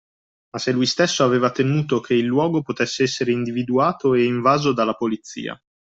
Ma se lui stesso aveva temuto che il luogo potesse essere individuato e invaso dalla Polizia